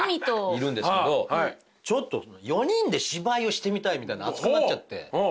いるんですけど４人で芝居をしてみたいみたいな熱くなっちゃって。